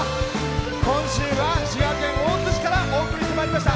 今週は滋賀県大津市からお送りしてまいりました。